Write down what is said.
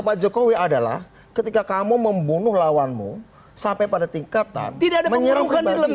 pak jokowi adalah ketika kamu membunuh lawanmu sampai pada tingkatan tidak ada menyerangkan dalam